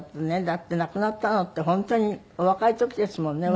だって亡くなったのって本当にお若い時ですもんね